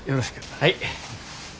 はい。